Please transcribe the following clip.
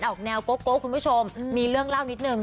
ออกแนวโกะคุณผู้ชมมีเรื่องเล่านิดนึง